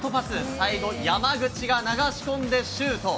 最後、山口が流し込んでシュート。